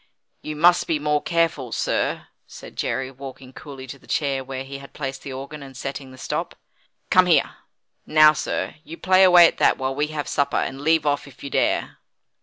"You must be more careful, sir," said Jerry, walking coolly to the chair where he had placed the organ, and setting the stop. "Come here. Now, sir, you play away at that, while we have supper, and leave off if you dare."